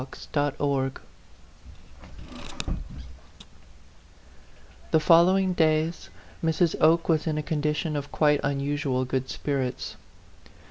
THE following days Mrs. Oke was in a condition of quite unusual good spirits.